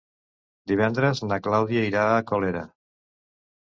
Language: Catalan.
Divendres na Clàudia irà a Colera.